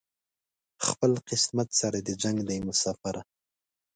خپل قسمت سره دې جنګ دی مساپره